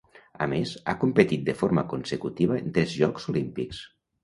A més, ha competit de forma consecutiva en tres Jocs Olímpics.